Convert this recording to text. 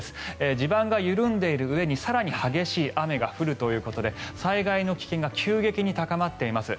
地盤が緩んでいるうえに更に激しい雨が降るということで災害の危険が急激に高まっています。